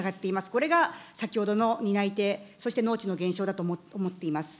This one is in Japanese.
これが先ほどの担い手、そして農地の減少だと思っています。